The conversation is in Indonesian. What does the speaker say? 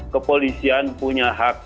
kepolisian punya hak